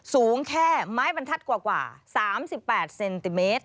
สูงแค่ไม้บรรทัศน์กว่า๓๘เซนติเมตร